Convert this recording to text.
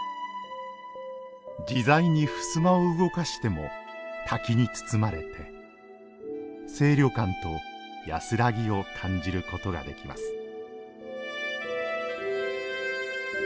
自在に襖を動かしても滝に包まれて清涼感と安らぎを感じることができます